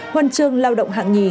huân chương lao động hạng hai